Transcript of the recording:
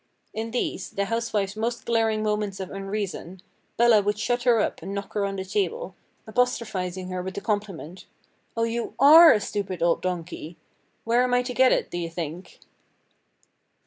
In these, the housewife's most glaring moments of unreason, Bella would shut her up and knock her on the table, apostrophizing her with the compliment—'O you ARE a stupid old donkey! Where am I to get it, do you think?